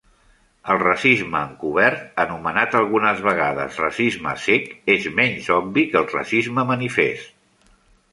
El racisme encobert, anomenat algunes vegades racisme "ceg", és menys obvi que el racisme manifest.